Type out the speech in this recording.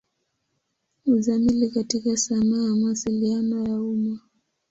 Uzamili katika sanaa ya Mawasiliano ya umma.